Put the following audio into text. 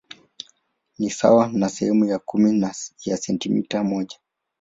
Ni sawa na sehemu ya kumi ya sentimita moja.